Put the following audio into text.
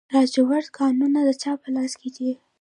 د لاجوردو کانونه د چا په لاس کې دي؟